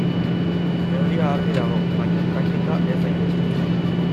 Teoria argi dago, baina praktika ez hainbeste.